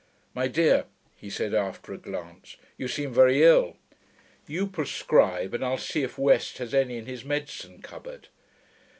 'My dear,' he said after a glance, 'you seem very ill. You prescribe, and I'll see if West has any in his medicine cupboard.'